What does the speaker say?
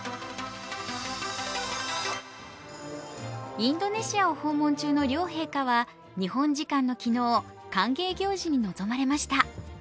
インドネシアを訪問中の両陛下は日本時間の昨日、歓迎行事に臨まれました。